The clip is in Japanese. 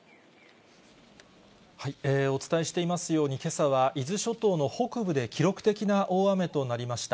お伝えしていますように、けさは伊豆諸島の北部で記録的な大雨となりました。